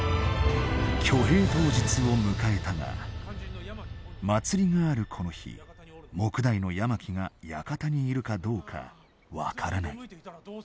挙兵当日を迎えたが祭りがあるこの日目代の山木が館にいるかどうか分からない。